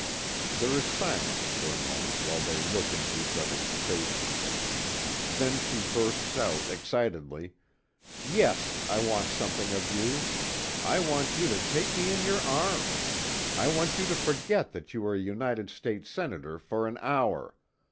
There is silence for a moment while they look into each other's faces. Then she bursts out excitedly: "Yes, I want something of you. I want you to take me in your arms. I want you to forget that you are a United States Senator for an hour.